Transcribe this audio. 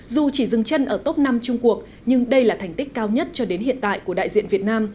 dù chỉ dừng chân ở top năm trung cuộc nhưng đây là thành tích cao nhất cho đến hiện tại của đại diện việt nam